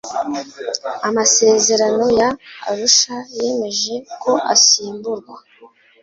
amasezerano ya arushayemeje ko asimburwa